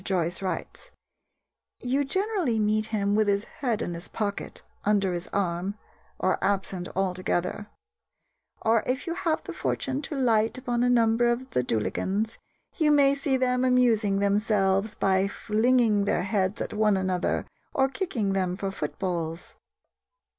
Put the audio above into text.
Joyce writes: "You generally meet him with his head in his pocket, under his arm, or absent altogether; or if you have the fortune to light upon a number of Dullaghans, you may see them amusing themselves by flinging their heads at one another or kicking them for footballs."